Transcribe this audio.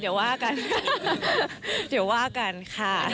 เดี๋ยวว่ากันเดี๋ยวว่ากันค่ะ